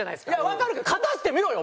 わかるけど勝たせてみろよ！